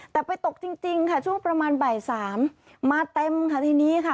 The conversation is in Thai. แต่ไปตกจริงจริงค่ะช่วงประมาณบ่ายสามมาเต็มค่ะทีนี้ค่ะ